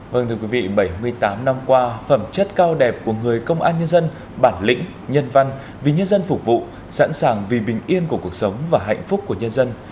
vâng thưa quý vị bảy mươi tám năm qua phẩm chất cao đẹp của người công an nhân dân bản lĩnh nhân văn vì nhân dân phục vụ sẵn sàng vì bình yên của cuộc sống và hạnh phúc của nhân dân